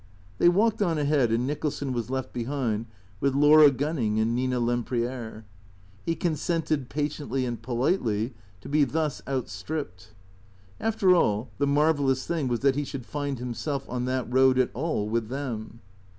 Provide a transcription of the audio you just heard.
They walked on ahead, and Nicholson was left behind with Laura Gunning and Nina Lempriere. He consented, patiently and politely, to be thus outstripped. After all, the marvellous thing was that he should find himself on that road at all with Them.